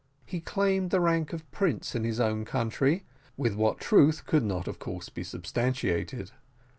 He claimed the rank of prince in his own country, with what truth could not of course be substantiated.